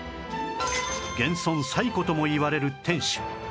現存最古ともいわれる天守